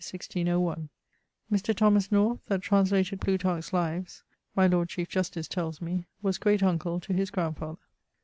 Mr. Thomas North, that translated Plutarch's Lives (my lord chief justice tells me) was great uncle to his grandfather.